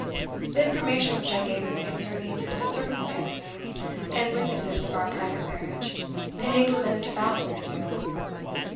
The information which I gave them concerning the circumstances and witnesses of our private marriage enabled them to baffle your zeal.